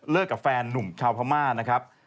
กับแฟนนุ่มชาวพม่านะครับ